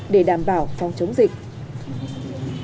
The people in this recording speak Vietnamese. để đảm bảo phong chống dịch